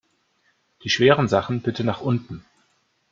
Die schweren Sachen bitte nach unten!